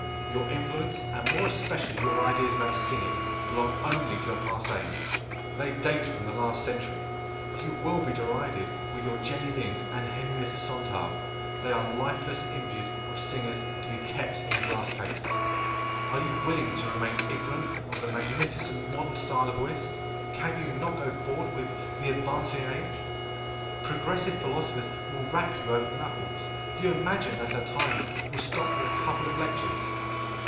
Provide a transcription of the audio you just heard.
Your influence, and more especially your ideas about singing, belong only to a past age. They date from the last century. You will be derided with your Jenny Lind and Henrietta Sontag. They are lifeless images of singers, to be kept in a glass case. Are you willing to remain ignorant of the magnificent modern style of voice? Can you not go forward with the advancing age? Progressive philosophers will rap you over the knuckles. You imagine that our times will stop for a couple of lectures!